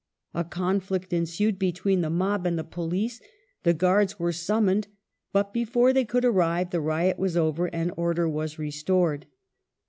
A conflict ensued between the mob and the police : the guards were summoned, but before they could arrive the riot was over and order was restored.